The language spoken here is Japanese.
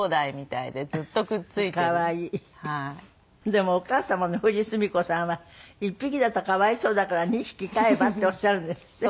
でもお母様の富司純子さんは「１匹だとかわいそうだから２匹飼えば？」っておっしゃるんですって？